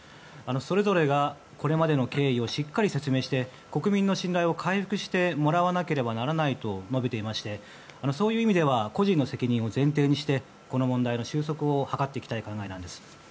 それぞれが、これまでの経緯をしっかり説明して国民の信頼を回復してもらわなければならないと述べていましてそういう意味では個人の責任を前提にして、この問題の収束を図っていきたい考えです。